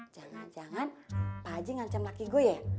jangan jangan pak haji ngancam laki gue ya